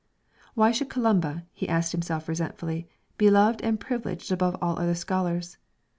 Why should Columba, he asked himself resentfully, be loved and privileged above all the other scholars?